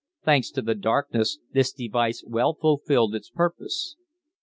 Thanks to the darkness, this device well fulfilled its purpose.